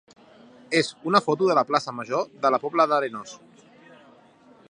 és una foto de la plaça major de la Pobla d'Arenós.